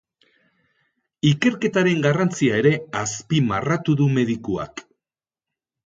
Ikerketaren garrantzia ere azpimarratu du medikuak.